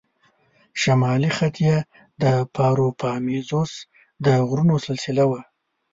شمالي خط یې د پاروپامیزوس د غرونو سلسله وه.